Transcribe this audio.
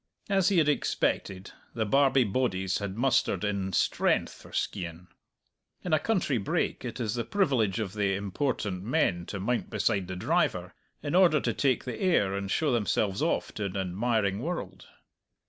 As he had expected, the Barbie bodies had mustered in strength for Skeighan. In a country brake it is the privilege of the important men to mount beside the driver, in order to take the air and show themselves off to an admiring world.